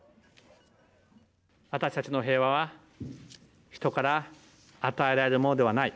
私たちの平和は人から与えられるものではない。